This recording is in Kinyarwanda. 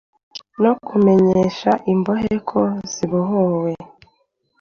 no kumenyesha imbohe ko zibohowe,